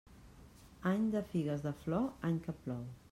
Any de figues de flor, any que plou.